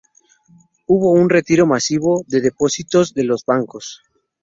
Hubo un retiro masivo de depósitos de los bancos.